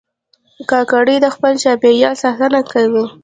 کاکړي د خپل چاپېریال ساتنه کوي.